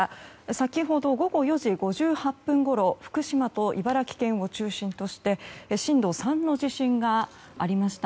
先ほど午後４時５８分ごろ福島と茨城県を中心として震度３の地震がありました。